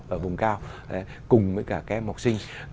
ở vùng cao cùng với cả các em học sinh